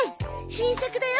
新作だよ！